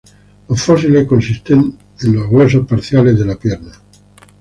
Los fósiles consisten en los huesos parciales de la pierna.